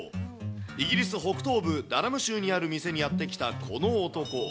イギリス北東部、州にある店にやって来たこの男。